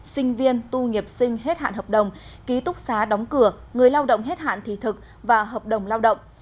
sinh viên tu nghiệp sinh hết hạn hợp đồng ký túc xá đóng cửa người lao động hết hạn thị thực và hợp đồng lao động